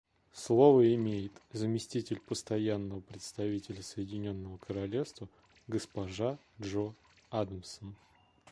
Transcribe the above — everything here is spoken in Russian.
Слово имеет заместитель Постоянного представителя Соединенного Королевства госпожа Джо Адамсон.